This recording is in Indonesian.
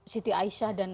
city asia dan